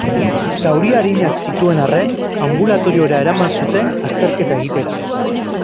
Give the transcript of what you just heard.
Zauri arinak zituen arren, anbulatoriora eraman zuten azterketa egitera.